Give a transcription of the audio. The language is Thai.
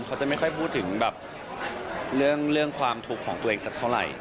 เขาจะไม่ค่อยพูดถึงแบบเรื่องความทุกข์ของตัวเองสักเท่าไหร่